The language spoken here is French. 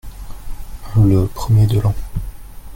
Le premier de l'an.